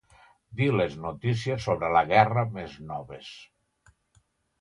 Dir les notícies sobre la guerra més noves.